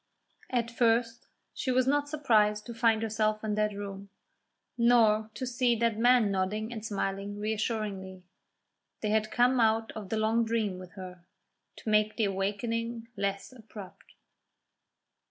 At first she was not surprised to find herself in that room, nor to see that man nodding and smiling reassuringly; they had come out of the long dream with her, to make the awakening less abrupt.